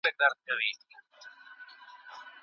په سهار کي شیدې څښل هډوکي قوي کوي.